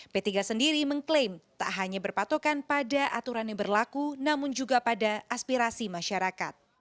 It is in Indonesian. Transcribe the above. p tiga sendiri mengklaim tak hanya berpatokan pada aturan yang berlaku namun juga pada aspirasi masyarakat